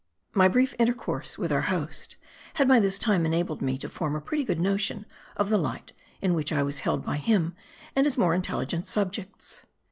MY brief intercourse with our host, had by this time en' abled me to form a pretty good notion of the light, in which I was held by him and his more intelligent subjects.